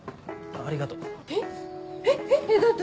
ありがとう。え？